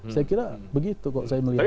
saya kira begitu kok saya melihat